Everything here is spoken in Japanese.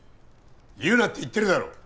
言うなって言ってるだろ！